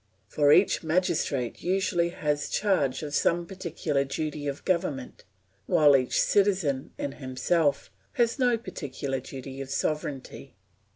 For each magistrate usually has charge of some particular duty of government; while each citizen, in himself, has no particular duty of sovereignty.